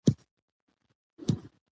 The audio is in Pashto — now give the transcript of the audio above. تودوخه د افغانانو د فرهنګي پیژندنې برخه ده.